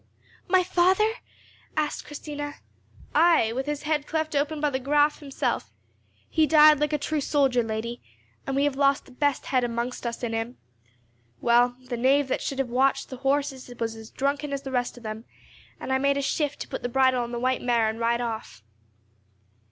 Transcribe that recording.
"My father?" asked Christina. "Ay! with his head cleft open by the Graf himself. He died like a true soldier, lady, and we have lost the best head among us in him. Well, the knave that should have watched the horses was as drunken as the rest of them, and I made a shift to put the bridle on the white mare and ride off."